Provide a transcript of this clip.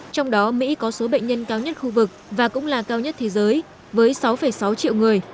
trong đó mỹ có số bệnh nhân cao nhất khu vực và cũng là cao nhất thế giới với sáu sáu triệu người